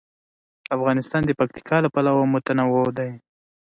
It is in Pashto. افغانستان د پکتیکا له پلوه متنوع دی.